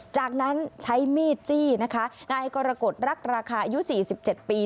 จากนั้นใช้มีดจี้นะคะนายกรกฎรักราคาอายุ๔๗ปี